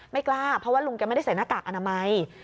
ไม่กล้าเพราะว่าลุงแกไม่ได้ใส่หน้ากากอนามัย